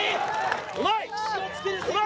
うまい！